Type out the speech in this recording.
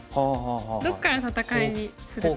どっから戦いにするかっていう。